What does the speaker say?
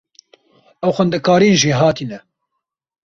Ew xwendekarên jêhatî ne.